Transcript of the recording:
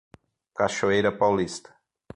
Cachoeira Paulista